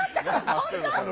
本当？